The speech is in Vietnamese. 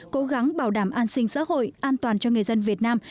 cố gắng bảo đảm an sinh xã hội an toàn cho người dân việt nam